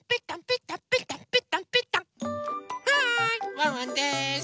ワンワンです！